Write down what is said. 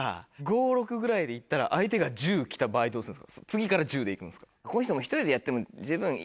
次から１０でいくんですか？